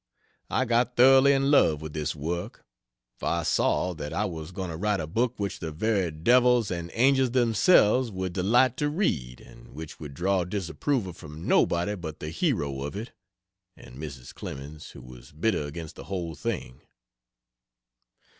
I got thoroughly in love with this work; for I saw that I was going to write a book which the very devils and angels themselves would delight to read, and which would draw disapproval from nobody but the hero of it, (and Mrs. Clemens, who was bitter against the whole thing.)